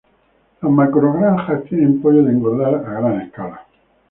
La avicultura tiene pollo de engorda a gran escala.